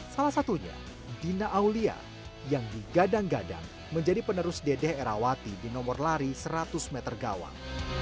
salah satunya dina aulia yang digadang gadang menjadi penerus dedeh erawati di nomor lari seratus meter gawang